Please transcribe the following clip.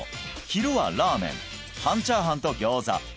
昼はラーメン半チャーハンとギョーザ